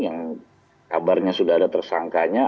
yang kabarnya sudah ada tersangkanya